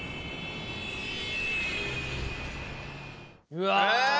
うわ！